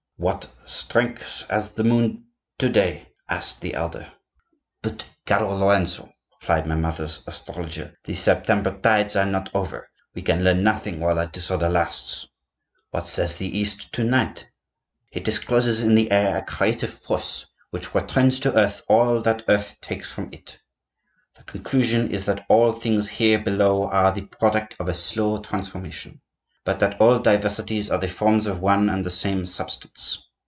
'What strength has the moon to day?' asked the elder. 'But, caro Lorenzo,' replied my mother's astrologer, 'the September tides are not yet over; we can learn nothing while that disorder lasts.' 'What says the East to night?' 'It discloses in the air a creative force which returns to earth all that earth takes from it. The conclusion is that all things here below are the product of a slow transformation, but that all diversities are the forms of one and the same substance.